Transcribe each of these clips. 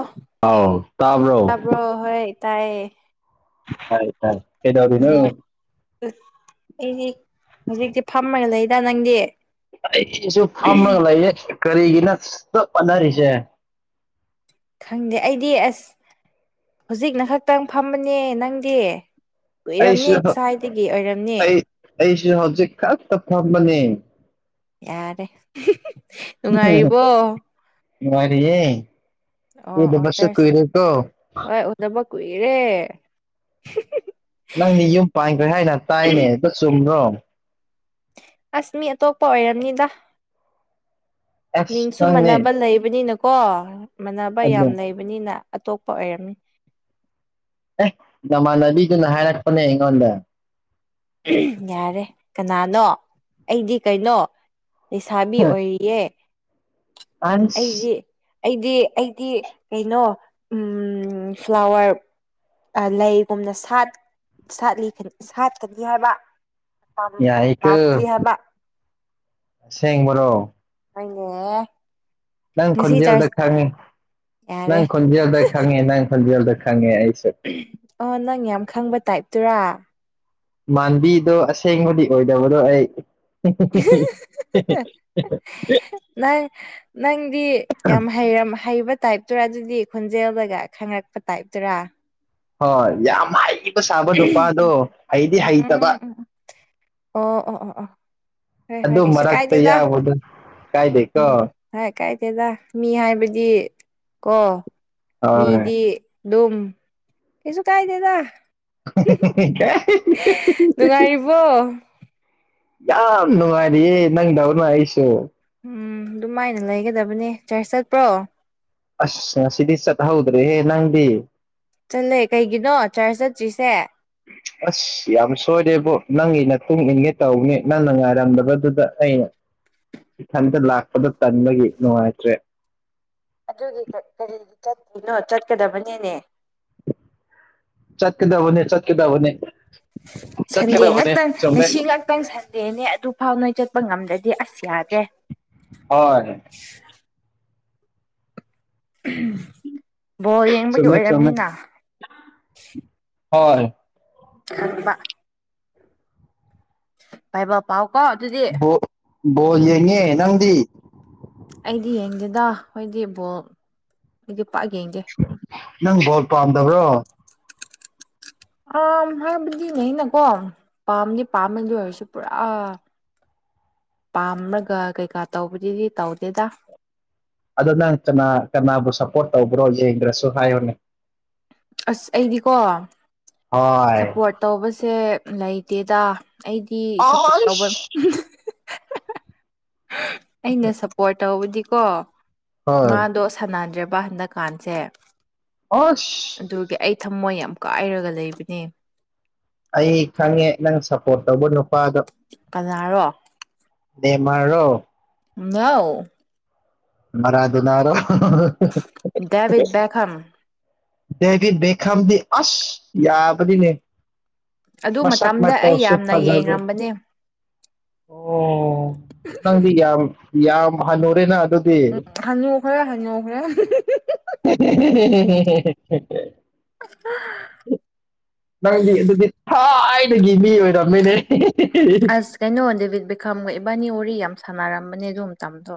ꯑꯣ ꯑꯥꯎ ꯇꯥꯕ꯭ꯔꯣ ꯇꯕ꯭ꯔꯣ ꯍꯣꯏ ꯇꯥꯏꯌꯦ ꯍꯥꯏ ꯇꯗꯔꯤꯅ ꯑꯩꯗꯤ ꯍꯧꯖꯤꯛꯁ ꯐꯝꯃꯒ ꯂꯩꯗ ꯅꯪꯗꯤ ꯑꯩꯁꯨ ꯐꯝꯃꯒ ꯂꯩꯌꯦ ꯀꯔꯤꯒꯤꯅ ꯄꯠꯅꯔꯤꯁꯦ ꯈꯪꯗꯦ ꯑꯩꯗꯤ ꯑꯁ ꯍꯧꯖꯤꯛꯅ ꯈꯛꯇꯪ ꯐꯝꯕꯅꯦ ꯅꯪꯗꯤ ꯀꯨꯏꯔꯝꯅꯦ ꯑꯩꯁꯨ ꯉꯁꯥꯏꯗꯒꯤ ꯑꯣꯏꯔꯝꯅꯦ ꯑꯩ ꯑꯩꯁꯨ ꯍꯧꯖꯤꯛ ꯈ ꯐꯝꯕꯅꯤ ꯌꯥꯔꯦ ꯅꯨꯡꯉꯥꯏꯔꯤꯕꯣ ꯃꯔꯤꯑꯦ ꯑꯣ ꯑꯣ ꯆꯔ ꯍꯣꯏ ꯎꯅꯕ ꯀꯨꯏꯔꯦ ꯅꯪꯗꯤ ꯌꯨꯝ ꯄꯥꯟꯈ꯭ꯔꯦ ꯍꯥꯏꯅ ꯇꯥꯏꯅꯦ ꯑꯗꯨ ꯆꯨꯝꯕ꯭ꯔꯣ ꯑꯁ ꯃꯤ ꯑꯇꯣꯞꯄ ꯑꯣꯏꯔꯝꯅꯤꯗ ꯑꯁ ꯃꯤꯡꯁꯨ ꯅꯪꯅꯦ ꯃꯥꯟꯅꯕ ꯂꯩꯕꯅꯤꯅꯀꯣ ꯃꯥꯟꯅꯕ ꯑꯗꯨ ꯌꯥꯝ ꯂꯩꯕꯅꯤꯅ ꯑꯇꯣꯞꯄ ꯑꯣꯏꯔꯝꯃꯤ ꯑꯦ ꯅꯃꯥꯟꯅꯕꯤꯗꯨꯅ ꯍꯥꯏꯔꯛꯄꯅꯦ ꯑꯩꯉꯣꯟꯗ ꯌꯥꯔꯦ ꯀꯅꯥꯅꯣ ꯑꯩꯗꯤ ꯀꯩꯅꯣ ꯂꯩꯁꯥꯕꯤ ꯑꯣꯏꯔꯤꯌꯦ ꯑꯁ ꯑꯩꯗꯤ ꯑꯩꯗꯤ ꯑꯩꯗꯤ ꯀꯩꯅꯣ ꯎ ꯐ꯭ꯂꯥꯋꯔ ꯂꯩꯒꯨꯝꯅ ꯁꯥꯠ ꯁꯥꯠꯂꯤ ꯁꯥꯠꯀꯅꯤ ꯍꯥꯏꯕ ꯌꯥꯏꯀꯣ ꯊꯥꯛꯇ꯭ꯔꯤ ꯍꯥꯕ ꯑꯁꯦꯡꯕ꯭ꯔꯣ ꯍꯣꯏꯅꯦꯑꯦ ꯅꯪ ꯈꯣꯟꯖꯦꯜꯗ ꯈꯪꯉꯤ ꯅꯪ ꯌꯥꯔꯦ ꯈꯣꯟꯖꯦꯜꯗ ꯈꯪꯉꯦ ꯅꯪ ꯈꯣꯟꯖꯦꯜꯗ ꯈꯪꯉꯦ ꯑꯩꯁꯨ ꯑꯣ ꯅꯪ ꯌꯥꯝ ꯈꯪꯕ ꯇꯥꯏꯞꯇꯨꯔꯥ ꯃꯥꯟꯕꯤꯗꯣ ꯑꯁꯦꯡꯕꯗꯤ ꯑꯣꯏꯗꯕꯗꯣ ꯑꯩ ꯅꯪ ꯅꯪꯗꯤ ꯌꯥꯝ ꯍꯩꯕ ꯇꯥꯏꯞꯇꯔꯥ ꯑꯗꯨꯗꯤ ꯈꯣꯟꯖꯦꯜꯗꯒ ꯈꯪꯉꯛꯄ ꯇꯥꯏꯞꯇꯔꯥ ꯍꯣꯏ ꯌꯥꯝ ꯍꯩꯕ ꯁꯥꯕ ꯅꯨꯄꯥꯗꯣ ꯍꯩꯗꯤ ꯍꯩꯇꯕ ꯎꯝ ꯑꯣ ꯑꯣ ꯑꯣ ꯑꯣ ꯍꯣꯏ ꯍꯣꯏ ꯑꯗꯨꯗꯣ ꯀꯩꯁꯨ ꯃꯔꯛꯒ ꯇ ꯀꯥꯏꯗꯦꯗ ꯌꯥꯎꯕꯗꯨ ꯀꯥꯏꯗꯦ ꯀꯣ ꯍꯢꯏ ꯀꯥꯏꯗꯦꯗ ꯃꯤ ꯍꯥꯏꯕꯗꯤ ꯀꯣ ꯍꯣꯏ ꯃꯤꯗꯤ ꯂꯨꯝ ꯀꯩꯁꯨ ꯀꯥꯢꯗꯦꯗ [inaudible] ꯅꯨꯡꯉꯥꯏꯔꯤꯕꯣ ꯌꯥꯝ ꯅꯨꯡꯉꯥꯏꯔꯤꯌꯦ ꯅꯪꯗꯧꯅ ꯑꯩꯁꯨ ꯎꯝ ꯑꯗꯨꯃꯥꯏꯅ ꯂꯩꯒꯗꯕꯅꯦ ꯆꯔꯁ ꯆꯠꯄ꯭ꯔꯣ ꯑꯁ ꯉꯥꯁꯤꯗꯤ ꯆꯠ ꯍꯧꯗ꯭ꯔꯦ ꯍꯦ ꯅꯪꯗꯤ ꯆꯠꯂꯦ ꯀꯩꯒꯤꯅꯣ ꯆꯥꯔꯁ ꯆꯠꯇ꯭ꯔꯤꯁꯦ ꯑꯁ ꯌꯥꯝ ꯁꯣꯏꯔꯦꯕꯣ ꯅꯪꯒꯤꯅ ꯃꯇꯨꯡꯨꯡ ꯏꯟꯒꯦ ꯇꯧꯅꯤ ꯅꯪꯅ ꯉꯥꯏꯔꯝꯗꯕꯗꯨꯗ ꯑꯩꯅ [unintelligible] ꯏꯊꯟꯇ ꯂꯥꯛꯄꯗꯣ ꯇꯟꯕꯒꯤ ꯅꯨꯡꯉꯥꯏꯇ꯭ꯔꯦ ꯑꯗꯨꯗꯤ ꯀꯔꯤꯒꯤ ꯆꯠꯇꯣꯏꯅꯣ ꯆꯠꯀꯗꯕꯅꯤꯅꯦ ꯆꯠꯀꯗꯕꯅꯦ ꯆꯠꯀꯗꯕꯅꯦ ꯁꯟꯗꯦ ꯆꯠꯀꯗꯕꯅꯦ ꯉꯥꯛꯇꯪ ꯆꯨꯝꯃꯦ ꯉꯁꯤ ꯉꯥꯛꯇꯪ ꯁꯟꯗꯦꯅꯦ ꯑꯗꯨꯐꯥꯎ ꯅꯣꯏ ꯆꯠꯄ ꯉꯝꯗ꯭ꯔꯗꯤ ꯑꯁ ꯌꯥꯗ꯭ꯔꯦ ꯍꯣꯏ ꯎꯝ [inaudible] ꯄꯣꯜ ꯌꯦꯡ ꯆꯨꯝꯃꯦ ꯆꯨꯝꯃꯦ ꯍꯣꯏ [inaudible] ꯄꯥꯏꯕꯥꯜ ꯄꯥꯎ ꯀꯣ ꯕꯥꯜ ꯌꯦꯡꯉꯦ ꯅꯪꯗꯤ ꯑꯩꯗꯤ ꯌꯦꯡꯗꯦꯗ ꯍꯣꯏꯗꯤ ꯕꯣꯜ ꯑꯩꯗꯤ ꯄꯥꯛ ꯌꯦꯡꯗꯦ ꯅꯪ ꯕꯣꯜ ꯄꯥꯝꯗꯕ꯭ꯔꯣ ꯑ ꯍꯥꯏꯕꯗꯤꯅꯦ ꯅꯀꯣ ꯄꯥꯝꯗꯤ ꯄꯥꯝꯃꯦ ꯑꯗꯨ ꯑꯣꯏꯔꯁꯨ ꯄꯨꯔꯥ ꯄꯥꯝꯔꯒ ꯀꯩꯀꯥ ꯇꯧꯕꯗꯨꯗꯤ ꯇꯧꯗꯦꯗ ꯑꯗꯣ ꯅꯪ ꯀꯅꯥ ꯀꯅꯥꯕꯨ ꯁꯞꯄꯣꯔꯠ ꯇꯧꯕ꯭ꯔꯣ ꯌꯦꯡꯗ꯭ꯔꯁꯨ ꯍꯥꯏꯌꯣꯅꯦ ꯑꯁ ꯑꯩꯗꯤꯀꯣ ꯍꯣꯏ ꯁꯞꯄꯣꯔꯠ ꯇꯧꯕꯁꯦ ꯂꯩꯇꯦꯗ ꯑꯩꯗꯤ ꯁꯞꯄꯣꯔꯠ ꯇꯧꯕ ꯑꯥꯏꯁ ꯑꯩꯅ ꯁꯞꯄꯣꯔꯠ ꯇꯧꯕꯗꯤꯀꯣ ꯃꯥꯗꯣ ꯁꯥꯟꯅꯗ꯭ꯔꯦꯕ ꯍꯟꯗꯛ ꯀꯥꯟꯁꯦ ꯑꯣꯁ ꯑꯗꯨꯒꯤ ꯑꯩ ꯊꯝꯃꯣꯏ ꯌꯥꯝ ꯀꯥꯏꯔꯒ ꯂꯩꯕꯅꯦ ꯑꯩ ꯈꯪꯉꯦ ꯅꯪ ꯁꯞꯄꯣꯔꯠ ꯇꯧꯕ ꯅꯨꯄꯥꯗꯣ ꯀꯅꯥꯔꯣ ꯅꯦꯟꯃꯥꯔ ꯔꯣ ꯅꯅꯥ [inaudible] ꯃꯔꯔꯥ ꯗ [inaudible] ꯅꯔꯣ ꯗꯦꯕꯤꯗ ꯕꯒꯨꯝ ꯗꯦꯕꯤꯗ ꯕꯦꯈꯝꯗꯤ ꯑꯁ ꯌꯥꯕꯅꯤꯅꯦ ꯑꯗꯨ ꯃꯁꯥꯛ ꯃꯇꯝꯗ ꯃꯇꯧ ꯑꯩ ꯁꯨ ꯌꯥꯝꯅ ꯐꯖꯕ ꯌꯦꯡꯔꯝꯕꯅꯦ ꯑꯣ ꯅꯪꯗꯤ ꯌꯥꯝ ꯌꯥꯝ ꯍꯟꯅꯨꯔꯦ ꯅ ꯑꯗꯨꯗꯤ ꯍꯅꯨꯕꯔ ꯍꯅꯨꯕꯔ [unintelligible] ꯅꯪ ꯗ ꯑꯗꯨꯗꯤ ꯊꯥꯏ ꯒꯤ ꯃꯤ ꯑꯣꯏꯔꯝꯃꯤꯅꯦ ꯑꯁ ꯀꯩꯅꯣ ꯗꯦꯕꯤꯠ ꯕꯦꯈꯥꯒ ꯏꯕꯥꯅꯤ ꯋꯥꯔꯤ ꯌꯥꯝ ꯁꯥꯟꯅꯔꯝꯕꯅꯦ ꯑꯗꯨ ꯃꯇꯝꯗꯣ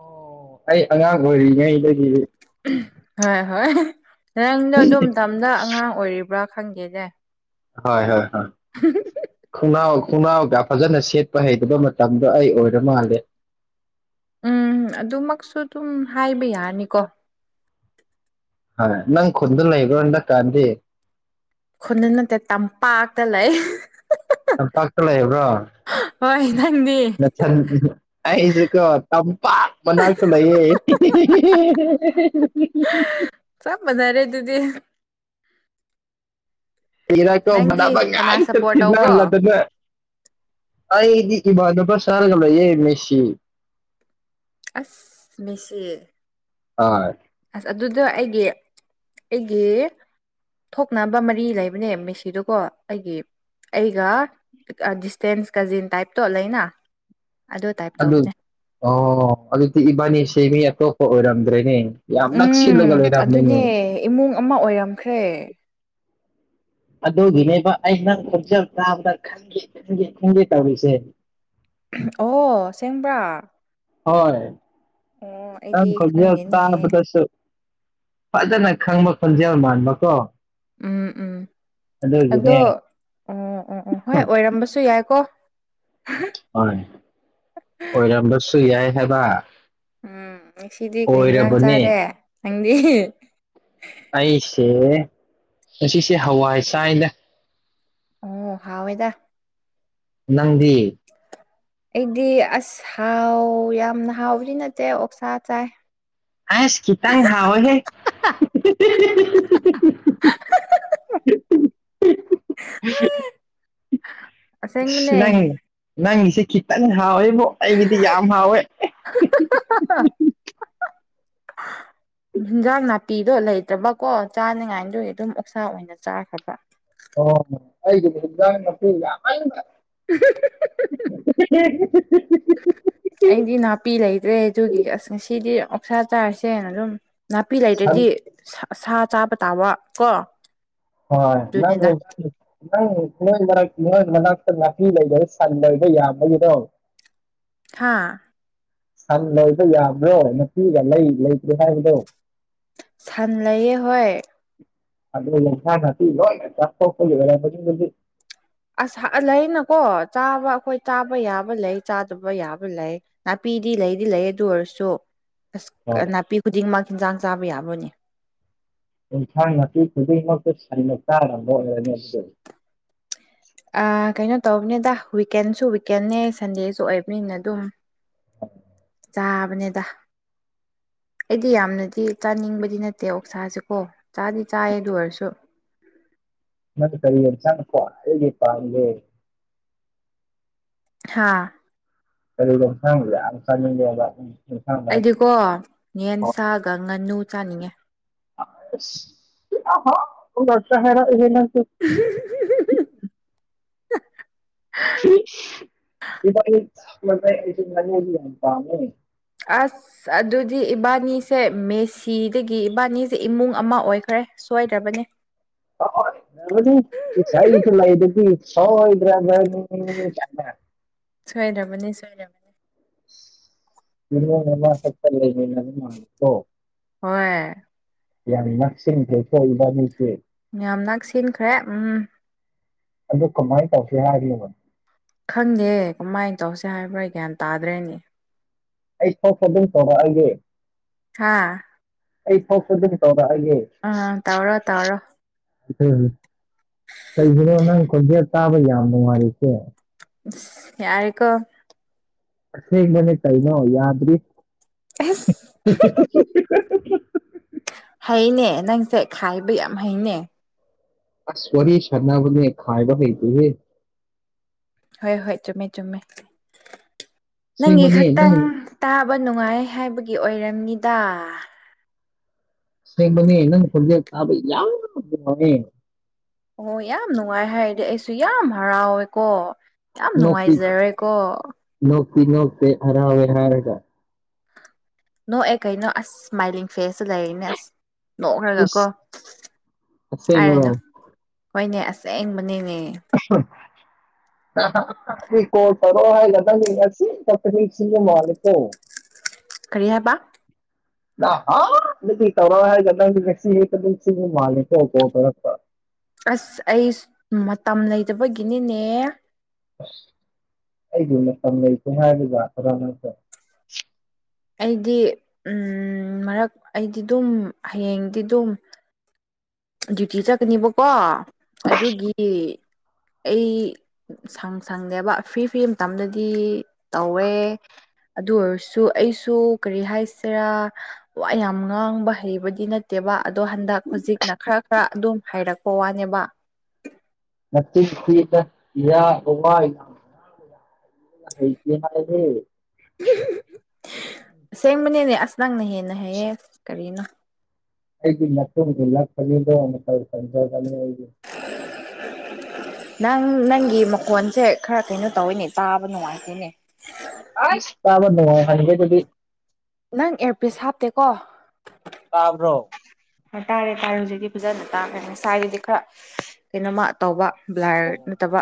ꯑꯣ ꯑꯩ ꯑꯉꯥꯡ ꯑꯣꯏꯔꯤꯉꯩꯗꯒꯤ ꯍꯣꯏ ꯍꯣꯏ ꯅꯪꯗꯣ ꯑꯗꯨꯣꯝ ꯃꯇꯝꯗ ꯑꯉꯥꯡ ꯑꯣꯏꯔꯤꯕ꯭ꯔꯥ ꯈꯪꯗꯦꯅꯦ ꯍꯣꯏ ꯍꯣꯏ ꯍꯣꯏ [unintelligible] ꯈꯣꯡꯅꯥꯎ ꯈꯣꯡꯅꯥꯎꯒ ꯐꯖꯅ ꯁꯦꯠꯄ ꯍꯩꯇꯕ ꯃꯇꯝꯗꯣ ꯑꯩ ꯑꯣꯏꯔ ꯃꯥꯜꯂꯦ ꯎꯝ ꯑꯗꯨꯃꯛꯁꯨ ꯑꯗꯨꯝ ꯍꯥꯏꯕ ꯌꯥꯅꯤꯀꯣ ꯍ ꯅꯪ ꯈꯨꯟꯗ ꯂꯩꯕꯔꯣ ꯍꯟꯗꯛ ꯀꯥꯟꯗꯤ ꯈꯨꯟꯗ ꯅꯠꯇꯦ ꯇꯝꯄꯥꯛꯇ ꯂꯩ ꯇꯝꯄꯥꯛꯇ ꯂꯩꯕ꯭ꯔꯣ ꯍꯣꯏ ꯅꯪꯗꯤ ꯅꯆꯥ ꯅꯨꯄꯤ ꯗꯣ ꯑꯩꯁꯨ ꯀꯣ ꯇꯝꯄꯥꯛ ꯃꯅꯥꯛꯇ ꯂꯩꯌꯦ ꯆꯞ ꯃꯥꯟꯅꯔꯦ ꯑꯗꯨꯗꯤ ꯁꯤꯔꯀꯣ ꯅꯪꯗꯤ ꯃꯅꯕ ꯀꯅꯥ ꯌꯥꯏ ꯆ ꯁꯞꯄꯣꯔꯠ ꯇꯧꯕ꯭ꯔꯣ ꯊ‌ꯦꯡꯅꯍꯜꯂꯗꯅ ꯑꯩꯗꯤ ꯏ ꯗꯄ ꯁꯔꯒꯂꯣ ꯌꯦ ꯃꯦꯁꯤ ꯑꯁ ꯃꯤꯁꯤ ꯑꯥ ꯑꯁ ꯑꯗꯨꯗꯣ ꯑꯩꯒꯤ ꯑꯩꯒꯤ ꯊꯣꯛꯅꯕ ꯃꯔꯤ ꯂꯩꯕꯅꯦ ꯃꯦꯁꯤꯗꯨꯀꯣ ꯑꯩꯒꯤ ꯑꯩꯒ ꯗꯤꯁꯇꯦꯟꯁ ꯀꯖꯤꯟ ꯇꯥꯏꯞꯇꯣ ꯂꯩꯅ ꯑꯗꯨ ꯇꯥꯏꯞ ꯇꯧꯕꯅꯦ ꯑꯣ ꯑꯗꯨꯗꯤ ꯏꯕꯥꯅꯤꯁꯦ ꯃꯤ ꯑꯇꯣꯞꯄ ꯑꯣꯏꯔꯝꯗ꯭ꯔꯦꯅꯦ ꯌꯥꯝ ꯎꯝ ꯅꯛꯁꯤꯜꯂꯒ ꯂꯩꯏꯔꯝꯦꯅꯦ ꯑꯗꯨꯅꯦ ꯏꯃꯨꯡ ꯑꯃ ꯑꯣꯏꯔꯝꯈ꯭ꯔꯦ ꯑꯗꯨꯒꯤꯅꯦꯕ ꯑꯩ ꯅꯪ ꯈꯣꯡꯆꯦꯜ ꯇꯥꯕꯗ ꯈꯪꯒꯦ ꯈꯪꯒꯦ ꯈꯪꯒꯦ ꯇꯧꯔꯤꯁꯦ ꯑꯣ ꯑꯁꯦꯡꯕ꯭ꯔꯥ ꯍꯣꯏ ꯑꯣ ꯅ‌ꯦ ꯑꯩꯗꯤ ꯈ‌ꯣꯟꯖ‌ꯦꯜ ꯈꯪꯗꯦꯅꯦ ꯇꯕꯗꯁꯨ ꯐꯖꯅ ꯈꯪꯕ ꯈꯣꯟꯖꯦꯜ ꯃꯥꯟꯕꯀꯣ ꯎꯝ ꯎꯝ ꯑꯗꯣ ꯑꯗꯨꯒꯤꯅꯦ ꯎꯝ ꯎꯝ ꯍꯣꯏ ꯑꯣꯏꯔꯝꯕꯁꯨ ꯌꯥꯏꯀꯣ ꯍꯣꯏ ꯑꯣꯏꯔꯝꯕꯁꯨ ꯌꯥꯏ ꯍꯥꯏꯕ ꯎꯝ ꯉꯁꯤꯗꯤ ꯀꯔꯤ ꯏꯟꯖꯥꯡ ꯑꯣꯏꯔꯕꯅꯦ ꯆꯥꯔꯦ ꯅꯪꯗꯤ ꯑꯩꯁꯦ ꯉꯁꯤꯁꯦ ꯍꯋꯥꯏ ꯆꯥꯏꯗ ꯑꯣ ꯍꯥꯎꯋꯦꯗ ꯅꯪꯗꯤ ꯑꯩꯗꯤ ꯑꯁ ꯍꯥꯎ ꯌꯥꯝꯅ ꯍꯥꯎꯕꯗꯤ ꯅꯠꯇꯦ ꯑꯣꯛꯁꯥ ꯆꯥꯏ ꯑꯁ ꯈꯤꯇꯪ ꯍꯥꯎꯑꯦꯍꯦ [unintelligible] ꯑꯁ ꯑꯁꯦꯡꯕꯅꯦ ꯅꯪ ꯅꯪꯒꯤꯁꯦ ꯈꯤꯇꯪ ꯍꯥꯎꯋꯦꯕꯣ ꯑꯩꯒꯤꯗꯤ ꯌꯥꯝ ꯍꯥꯎꯋꯦ ꯍꯥ ꯍꯥ ꯍꯥ ꯍꯤꯟꯖꯥꯡ ꯅꯥꯄꯤꯗꯣ ꯂꯩꯇ꯭ꯔꯕꯀꯣ ꯆꯥꯅꯤꯉꯥꯏꯗꯨ ꯗꯨꯒꯤ ꯑꯗꯨꯝ ꯑꯣꯛꯁꯥ ꯑꯣꯏꯅ ꯆꯥꯈ꯭ꯔꯕ ꯑꯣ ꯑꯩꯒꯤꯁꯨ ꯍꯦꯟꯖꯥꯡ ꯅꯥꯄꯤ ꯌꯥꯃꯟꯕ [unintelligible] ꯄꯤ ꯂꯩꯇ꯭ꯔꯦ ꯑꯗꯨꯒꯤ ꯑꯁ ꯉꯁꯤꯗꯤ ꯑꯣꯛꯁꯥ ꯆꯥꯔꯁꯦꯅ ꯑꯗꯨꯝ ꯅꯥꯄꯤ ꯁꯟ ꯂꯩꯇ꯭ꯔꯗꯤ ꯁꯥ ꯁꯥ ꯆꯥꯕ ꯇꯥꯕ ꯀꯣ ꯍꯣꯏ ꯅꯪ ꯑꯗꯨꯅꯤꯗ ꯅꯪ ꯅꯣꯏ ꯃꯔꯛ ꯅꯣꯏ ꯃꯅꯥꯛꯇ ꯅꯥꯄꯤ ꯂꯩꯗ ꯁꯟꯗꯕ ꯌꯥꯝꯕꯒꯤꯗꯣ ꯍꯥꯥ ꯁꯟ ꯂꯣꯏꯕ ꯌꯥꯕ꯭ꯔꯣ ꯅꯨꯄꯤꯒ ꯂꯩ ꯂꯩꯇ꯭ꯔꯦ ꯍꯥꯏꯕꯗꯣ ꯁꯟ ꯂꯩꯌꯦ ꯍꯣꯏ ꯑꯗꯨꯅ [unintelligible] ꯑꯁ ꯂꯩꯅꯀꯣ ꯆꯥꯕ ꯑꯩꯈꯣꯏ ꯆꯥꯕ ꯌꯥꯕ ꯂꯩ ꯆꯥꯗꯕ ꯌꯥꯕ ꯂꯩ ꯅꯥꯄꯤꯗꯤ ꯂꯩꯗꯤ ꯂꯩ ꯑꯗꯨ ꯑꯣꯏꯔꯁꯨ ꯑꯁ ꯅꯥꯄꯤ ꯈꯨꯗꯤꯡꯃꯛ ꯍꯤꯟꯖꯥꯡ ꯆꯥꯕ ꯌꯥꯕꯅꯦ ꯏꯟꯁꯥꯡ ꯅꯥꯄꯤ ꯈꯨꯨꯗꯤꯡꯃꯛꯇꯨ ꯁꯟꯅ ꯆꯥꯅꯕ꯭ꯔ [unintelligible] ꯀꯩꯅꯣ ꯇꯧꯕꯅꯦꯗ ꯋꯤꯛꯀꯦꯟꯁꯨ ꯋꯤꯛꯀꯦꯟꯅꯦ ꯁꯟꯗꯦꯁꯨ ꯑꯣꯏꯕꯅꯤꯅ ꯑꯗꯨꯝ ꯆꯥꯕꯅꯦꯗ ꯑꯩꯗꯤ ꯌꯥꯝꯅꯗꯤ ꯆꯥꯅꯤꯡꯕꯗꯤ ꯅꯠꯇꯦ ꯑꯣꯛꯁꯥꯁꯦꯀꯣ ꯆꯥꯗꯤ ꯆꯥꯏ ꯑꯗꯨ ꯑꯣꯏꯔꯁꯨ ꯅꯗꯨ ꯀꯔꯤ ꯌꯦ ꯆꯪꯅꯀꯣ ꯑꯩꯒꯤ ꯄꯒꯦ ꯍꯥ ꯑꯗꯨꯒ [unintelligible] ꯀꯣ ꯌꯦꯟ ꯁꯥꯒ ꯉꯥꯅꯨ ꯆꯥꯅꯤꯡꯉꯦ ꯑꯁ [unintelligible] [unintelligible] [unintelligible] ꯑꯩ ꯉꯥꯅꯨꯗꯤ ꯌꯥꯝ ꯄꯥꯝꯃꯦ ꯑꯁ ꯑꯗꯨꯗꯤ ꯏꯕꯥꯅꯤꯁꯦ ꯃꯦꯁꯤꯗꯒꯤ ꯏꯕꯥꯅꯤꯁꯦ ꯏꯃꯨꯡ ꯑꯃ ꯑꯣꯏꯈ꯭ꯔꯦ ꯁꯣꯏꯏꯗ꯭ꯔꯕꯅꯦ [unintelligible] ꯁꯣꯏꯗ꯭ꯔꯕꯅꯤ ꯁꯣꯏꯗ꯭ꯔꯕꯅꯤ ꯁꯣꯏꯔꯕꯅꯤ [unintelligible] ꯍꯣꯏ ꯌꯥꯝ ꯅꯛꯁꯤꯟꯅꯩꯀꯣ ꯏꯕꯥꯅꯤꯁꯦ ꯌꯥꯝ ꯅꯛꯁꯤꯟꯈ꯭ꯔꯦ ꯎꯝ ꯑꯗꯨ ꯀꯃꯥꯏꯅ ꯇꯧꯁꯤ ꯍꯥꯏꯒꯕꯅꯣ ꯈꯪꯗꯦ ꯀꯃꯥꯏꯅ ꯇꯧꯁꯦ ꯍꯥꯏꯕ꯭ꯔꯥ ꯒ꯭ꯌꯥꯟ ꯇꯥꯗ꯭ꯔꯦꯅꯤ ꯑꯩ ꯊꯣꯛꯄ ꯑꯗꯨꯝ ꯇꯧꯔꯛꯑꯒꯦ ꯍꯥꯥ ꯑꯩ ꯐꯣꯛꯇꯗꯩ ꯇꯧꯔꯑꯒꯦ ꯑꯥ ꯇꯧꯔꯣ ꯇꯧꯔꯣ ꯎꯝ ꯀꯩꯒꯤꯔꯣ ꯅꯪ ꯈꯣꯟꯖꯦꯜ ꯇꯥꯕ ꯌꯥꯝ ꯅꯨꯡꯉꯥꯏꯔꯤꯁꯦ ꯏꯁ ꯌꯥꯔꯦꯀꯣ ꯑꯁꯦꯡꯕꯅꯤ ꯀꯩꯅꯣ ꯌꯥꯗ꯭ꯔꯤ ꯑꯁ ꯍꯩꯅꯦ ꯅꯪꯁꯦ ꯈꯥꯏꯕ ꯌꯥꯝ ꯍꯩꯅꯦ ꯑ ꯁꯔꯤ ꯁꯅꯥꯕ ꯈꯥꯏꯕ ꯂꯩꯩ ꯇꯨꯍꯦ ꯍꯣꯏ ꯍꯣꯏ ꯆꯨꯝꯃꯦ ꯆꯨꯝꯃꯦ ꯅꯪꯒꯤ ꯑꯁꯦꯡꯕꯅꯦ ꯅꯪ ꯈꯛꯇꯪ ꯇꯥꯕ ꯅꯨꯡꯉꯥꯏ ꯍꯥꯏꯕꯒꯤ ꯑꯣꯏꯔꯝꯅꯤꯗ ꯑꯁꯦꯡꯕꯒꯤ ꯅꯪ ꯈꯣꯟꯖꯦꯜ ꯇꯥꯕ ꯌꯥꯝ ꯅꯨꯡꯉꯥꯏꯌꯦ ꯑꯣ ꯌꯥꯝ ꯅꯨꯡꯉꯥꯏ ꯍꯥꯏꯔꯗꯤ ꯑꯩꯁꯨ ꯌꯥꯝ ꯍꯔꯥꯎꯋꯦꯀꯣ ꯌꯥꯝ ꯅꯣꯛꯇꯤ ꯅꯨꯡꯉꯥꯏꯖꯔꯦꯀꯣ ꯅꯣꯛꯇꯤ ꯅꯣꯛꯇꯦ ꯍꯔꯥꯎꯋꯦ ꯍꯥꯔꯒ ꯅꯣ ꯑꯦ ꯀꯩꯅꯣ ꯑꯁ ꯁ꯭ꯃꯥꯏꯂꯤꯡ ꯐꯦꯁꯁꯨ ꯂꯩꯅꯦ ꯅꯣꯛꯔꯒꯀꯣ ꯏꯁ ꯑꯁꯦꯡꯕꯔꯣ ꯍꯥꯏꯔꯅꯨ ꯍꯣꯏꯅꯦ ꯑꯁꯦꯡꯕꯅꯦꯅꯦ [unintelligible] ꯀꯣꯜ ꯇꯧꯔꯛꯑꯣ ꯍꯥꯏꯒꯗꯒꯁꯤ ꯀꯄꯅꯤꯁꯤ ꯃꯥꯔꯀꯣ ꯀꯔꯤ ꯍꯥꯏꯕ꯫ ꯅꯍꯥꯟꯗꯒꯤ ꯇꯧꯔꯛꯑꯣ ꯍꯥꯏꯔꯒ ꯅꯪꯗꯤ ꯉꯁꯤ ꯈꯇꯪ ꯅꯤꯡꯁꯤꯡꯕ ꯃꯥꯜꯂꯦꯀꯣ ꯀꯣꯜ ꯇꯧꯔꯛꯄ꯫ ꯑꯁ ꯑꯩ ꯃꯇꯝ ꯂꯩꯇꯕꯒꯤꯅꯤꯅꯦ꯫ ꯑꯁ ꯑꯩꯗꯤ ꯃꯇꯝ ꯂꯩꯇꯦ ꯍꯥꯏꯕ ꯌꯥꯒꯦꯔ ꯅꯪꯁꯨ꯫ ꯑꯩꯗꯤ ꯃꯔꯛ ꯑꯩꯗꯤ ꯑꯗꯨꯝ ꯍꯌꯦꯡꯗꯤ ꯑꯗꯨꯝ꯫ ꯗꯨꯏꯇꯤ ꯆꯠꯀꯅꯦꯕꯀꯣ ꯑꯗꯨꯒꯤ ꯑꯩ ꯁꯪ ꯁꯪꯅꯗꯦꯕ ꯐꯤꯔ ꯐꯤꯔ ꯃꯇꯝꯗꯗꯤ ꯇꯧꯋꯦ꯫ ꯑꯗꯨ ꯑꯣꯏꯔꯁꯨ ꯑꯩꯁꯨ ꯀꯔꯤ ꯍꯥꯏꯁꯤꯔꯥ꯫ ꯋꯥ ꯌꯥꯝ ꯉꯥꯡꯕ ꯍꯩꯕꯗꯤ ꯅꯠꯇꯦꯕ ꯑꯗꯣ ꯍꯟꯗꯛ ꯍꯧꯖꯤꯛꯅ ꯈꯔ ꯈꯔ ꯑꯗꯨꯝ ꯍꯥꯏꯔꯛꯄ ꯋꯥꯅꯦꯕ꯫ ꯅꯆꯤꯟ ꯊꯤꯗ ꯏꯔꯥꯡ [unintelligible] ꯍꯩꯇꯦ ꯍꯥꯏꯔꯗꯤ꯫ ꯑꯁꯦꯡꯕꯅꯤꯅꯦ ꯑꯁ ꯅꯪꯅ ꯍꯦꯟꯅ ꯍꯩꯌꯦ ꯀꯔꯤꯅꯣ꯫ ꯑꯩꯒꯤ [inaudible] [inaudible] ꯅꯪ ꯅꯪꯒꯤ ꯃꯀꯣꯟꯁꯦ ꯈꯔ ꯀꯩꯅꯣ ꯇꯧꯋꯦꯅꯦ ꯇꯥꯕ ꯅꯨꯡꯉꯥꯏꯇꯦꯅꯦ꯫ ꯑꯁ ꯇꯥꯕ ꯅꯨꯡꯉꯥꯏ ꯍꯟꯕꯗꯨꯗꯤ꯫ ꯅꯪ ꯑꯦꯌꯥꯔꯄꯤꯁ ꯍꯥꯞꯇꯦꯀꯣ꯫ ꯇꯥꯕ꯭ꯔꯣ꯫ ꯍꯣꯏ ꯇꯥꯔꯦ ꯇꯥꯔꯦ ꯍꯧꯖꯤꯛꯇꯤ ꯐꯖꯅ ꯇꯥꯔꯦ ꯉꯁꯥꯏꯗꯨꯗꯤ ꯈꯔ ꯀꯩꯅꯣꯝꯃ ꯇꯧꯕ꯫ ꯕ꯭ꯂꯥꯔ ꯑꯣ ꯅꯠꯇꯕ꯫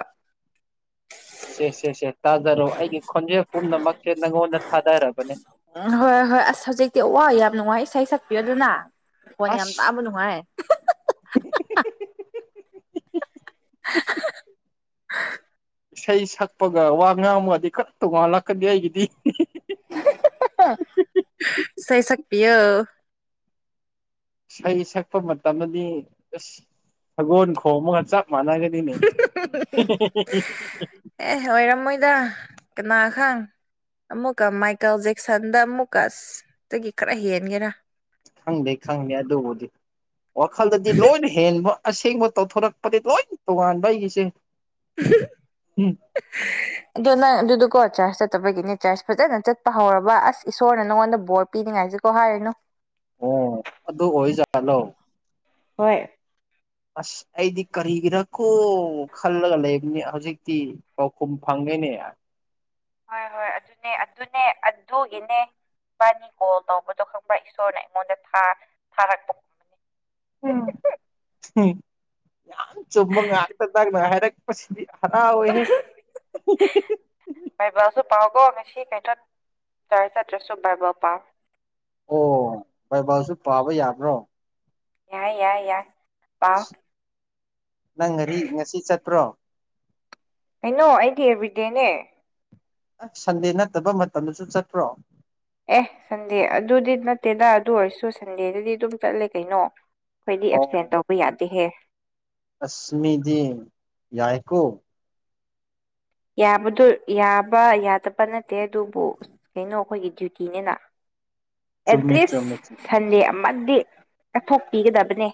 ꯁꯦ ꯁꯦ ꯁꯦ ꯇꯥꯖꯔꯣ ꯑꯩꯒꯤ ꯈꯣꯟꯖꯦꯜ ꯄꯨꯝꯅꯃꯛꯁꯦ ꯅꯪꯉꯣꯟꯗ ꯊꯥꯗꯔꯕꯅꯦ꯫ ꯎꯝ ꯍꯣꯏ ꯍꯣꯏ ꯑꯁ ꯍꯧꯖꯤꯛꯇꯤ ꯑꯣ ꯌꯥꯝ ꯅꯨꯡꯉꯥꯏ ꯏꯁꯩ ꯁꯛꯄꯤꯌꯣ ꯑꯗꯨꯅ ꯈꯣꯟ ꯌꯥꯝ ꯑꯁ ꯇꯥꯕ ꯅꯨꯡꯉꯥꯏ꯫ ꯏꯁꯩ ꯁꯛꯄꯒ ꯋꯥ ꯉꯥꯡꯕꯒꯗꯤ ꯈꯥꯛ ꯇꯣꯡꯉꯥꯥꯟꯂꯛꯀꯅꯤ ꯑꯩꯒꯤꯗꯤ꯫ ꯏꯁꯩ ꯁꯛꯄꯤꯌꯣ꯫ ꯏꯁꯩ ꯁꯛꯄ ꯃꯇꯝꯗꯗꯤ ꯑꯁ ꯁꯒꯣꯜ ꯈꯣꯡꯕꯒ ꯆꯞ ꯃꯅꯥꯒꯗꯤꯅꯦ꯫ ꯑꯦ ꯑꯣꯏꯔꯝꯃꯣꯏꯗ ꯀꯅꯥ ꯈꯪ꯫ ꯑꯃꯨꯛꯀ ꯃꯥꯏꯀꯦꯜ ꯖꯦꯛꯁꯟꯗ ꯑꯃꯨꯛꯀ ꯑꯁꯇꯒꯤ ꯈꯔ ꯍꯦꯟꯒꯦꯔ꫰꫰ ꯈꯪꯗꯦ ꯈꯪꯗꯦ ꯑꯗꯨꯕꯨꯗꯤ ꯋꯥꯈꯜꯗꯗꯤ ꯂꯣꯏꯅ ꯍꯦꯟꯕ꯫ ꯑꯁꯦꯡꯕ ꯇꯧꯊꯣꯔꯛꯄꯗꯤ ꯂꯣꯏ ꯇꯣꯉꯥꯟꯕ ꯑꯩꯒꯤꯁꯦ ꯎꯝ꯫ [unintelligible] ꯑꯗꯨ ꯅꯪ ꯑꯗꯨꯗꯨꯀꯣ ꯆꯔꯆ ꯆꯠꯇꯕꯒꯤꯅꯤ ꯆꯔꯁ ꯐꯖꯅ ꯆꯠꯄ ꯍꯧꯔꯕ ꯑꯁ ꯏꯁꯣꯔꯅ ꯅꯉꯣꯟꯗ ꯕꯣꯔ ꯄꯤꯅꯤꯡꯉꯥꯏꯁꯨ ꯀꯣꯍꯥꯏꯔꯅꯣ꯫ ꯑꯣ ꯑꯗꯨ ꯑꯣꯏꯔꯤꯖꯥꯠꯂꯣ꯫ ꯍꯣꯏ꯫ ꯑꯁ ꯑꯩꯗꯤ ꯀꯔꯤꯒꯤꯔꯀꯣ ꯈꯜꯂꯒ ꯂꯩꯕꯅꯤ ꯍꯧꯖꯤꯛꯇꯤ ꯄꯥꯎꯈꯨꯝ ꯐꯪꯒꯦꯅꯦ꯫ ꯍꯣꯏ ꯍꯣꯏ ꯑꯗꯨꯅꯦ ꯑꯗꯨꯅꯦ꯫ ꯑꯗꯨꯒꯤꯅꯦ ꯏꯕꯥꯅꯤ ꯀꯣꯜ ꯇꯧꯕꯗꯣ ꯈꯪꯕ꯭ꯔ ꯏꯁꯣꯔꯅ ꯑꯩꯉꯣꯟꯗ ꯊꯥ ꯊꯥꯔꯛꯄ꯫ ꯎꯝ ꯍꯣꯏ꯫ ꯌꯥꯝ ꯆꯨꯝꯕ ꯉꯥꯛꯇ ꯅꯪꯅ ꯍꯥꯏꯔꯛꯄꯁꯤꯗꯤ ꯍꯔꯥꯎꯋꯤꯍꯦ꯫ ꯕꯥꯏꯕꯥꯜꯁꯨ ꯄꯥꯎꯒꯣ ꯉꯁꯤ ꯀꯩꯊ ꯆꯔꯁ ꯆꯇꯔꯁꯨ ꯕꯥꯏꯕꯜ ꯄꯥꯥꯎ꯫ ꯑꯣ ꯕꯥꯏꯕꯥꯜꯁꯨ ꯄꯥꯕ ꯌꯥꯕ꯭ꯔꯣ꯫ ꯌꯥꯏ ꯌꯥꯏ ꯌꯥꯏ ꯄꯥꯎ꯫ ꯑꯁ ꯅꯪ ꯉꯔꯤ ꯉꯁꯤ ꯆꯠꯄ꯭ꯔꯣ꯫ ꯀꯩꯅꯣ ꯑꯩꯗꯤ ꯑꯦꯕ꯭ꯔꯤꯗꯦꯅꯦ꫰꫰ ꯁꯟꯗꯦ ꯅꯠꯇꯕ ꯃꯇꯝꯗꯁꯨ ꯆꯠꯇꯄ꯭ꯔꯣ꯫ ꯑꯦ ꯁꯟꯗꯦ ꯑꯗꯨꯗꯤ ꯅꯠꯇꯦꯗ ꯑꯗꯨ ꯑꯣꯏꯔꯁꯨ ꯁꯟꯗꯦꯗꯗꯤ ꯑꯗꯨꯝ ꯆꯠꯂꯦ ꯀꯩꯅꯣ꯫ ꯑꯩꯈꯣꯏꯗꯤ ꯑꯦꯞꯁꯦꯟ ꯇꯧꯕ ꯌꯥꯗꯦꯍꯦ꯫ ꯑꯁꯃꯤꯗꯤ ꯌꯥꯏꯀꯣ ꯌꯥꯕꯗꯨ ꯌꯥꯕ ꯌꯥꯗꯕ ꯅꯠꯇꯦ ꯑꯗꯨꯕꯨ ꯀꯩꯅꯣ ꯑꯩꯈꯣꯏꯒꯤ ꯗ꯭ꯌꯨꯇꯤꯅꯤꯅ ꯆꯨꯝꯃꯤ ꯆꯨꯝꯃꯤ ꯑꯦꯠꯂꯤꯁ ꯆꯨꯝꯃꯤ ꯁꯟꯗꯦ ꯑꯃꯗꯤ ꯀꯠꯊꯣꯛꯄꯤꯒꯗꯕꯅꯦ